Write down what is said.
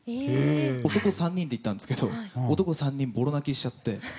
男３人で行ったんですけど男３人ぼろ泣きしちゃって。